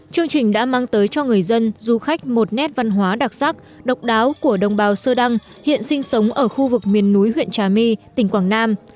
chương trình đã mang tới cho người dân du khách một nét văn hóa đặc sắc độc đáo của đồng bào sơ đăng hiện sinh sống ở khu vực miền núi huyện trà my tỉnh quảng nam